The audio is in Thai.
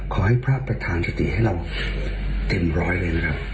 พระประธานสติให้เราเต็มร้อยเลยนะครับ